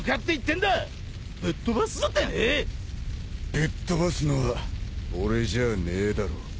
ぶっ飛ばすのは俺じゃねえだろ。